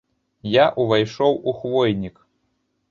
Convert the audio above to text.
Я ўвайшоў у хвойнік.